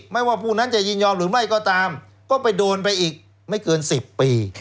ไม่ว่าผู้นั้นจะยินยอมหรือไม่ก็ตามก็ไปโดนไปอีกไม่เกิน๑๐ปี